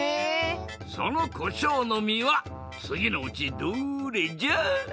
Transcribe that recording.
そのこしょうの実はつぎのうちどれじゃ？